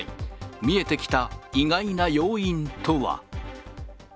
見えてきた意外な要因とは。